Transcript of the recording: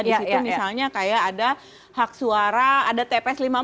disitu misalnya kayak ada hak suara ada tps lima puluh empat